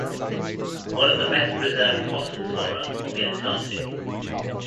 One of the best preserved fossil flora of the Antarctic.